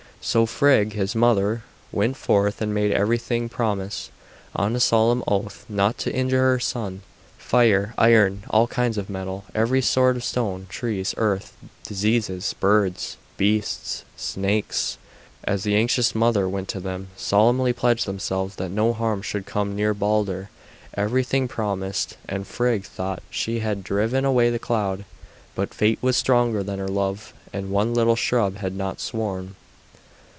So Frigg, his mother, went forth and made everything promise, on a solemn oath, not to injure her son. Fire, iron, all kinds of metal, every sort of stone, trees, earth, diseases, birds, beasts, snakes, as the anxious mother went to them, solemnly pledged themselves that no harm should come near Balder. Everything promised, and Frigg thought she had driven away the cloud; but fate was stronger than her love, and one little shrub had not sworn.